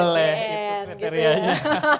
boleh itu kriterianya